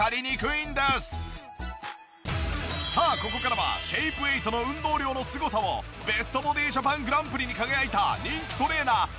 さあここからはシェイプエイトの運動量のすごさをベストボディジャパングランプリに輝いた人気トレーナーＮＯＲＩＫＯさんに教わります！